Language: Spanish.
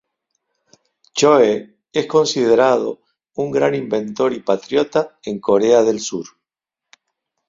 Choe es considerado un gran inventor y patriota en Corea del Sur.